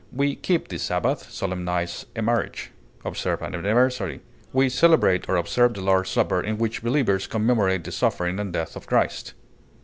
We keep the Sabbath, solemnize a marriage, observe an anniversary; we celebrate or observe the Lord's Supper in which believers commemorate the sufferings and death of Christ.